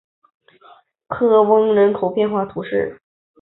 科翁人口变化图示